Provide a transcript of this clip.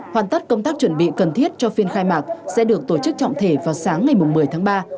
hoàn tất công tác chuẩn bị cần thiết cho phiên khai mạc sẽ được tổ chức trọng thể vào sáng ngày một mươi tháng ba